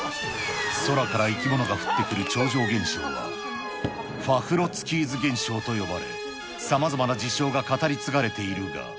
空から生き物が降ってくる超常現象は、ファフロツキーズ現象と呼ばれ、さまざまな事象が語り継がれているが。